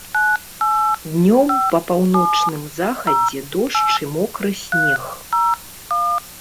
Днём па паўночным захадзе дождж і мокры снег.